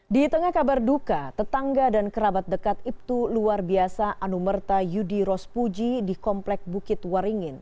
di tengah kabar duka tetangga dan kerabat dekat ibtu luar biasa anumerta yudi rospuji di komplek bukit waringin